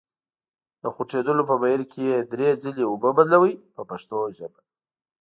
د خوټېدلو په بهیر کې یې درې ځلې اوبه بدلوئ په پښتو ژبه.